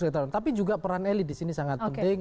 tetap tapi juga peran eli disini sangat penting